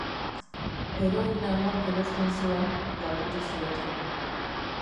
Heroina nork erosten zuen, galdetu zioten.